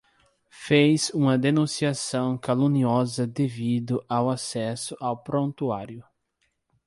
Fez uma denunciação caluniosa devido ao acesso ao prontuário